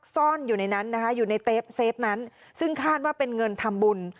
ซ่อนอยู่ในเซฟนั้นซึ่งคาดว่าเป็นเงินทำบุญ